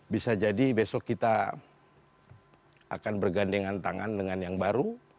bisa jadi besok kita akan bergandengan tangan dengan yang baru